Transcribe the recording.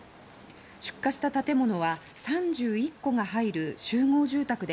出火した建物は３１戸が入る集合住宅で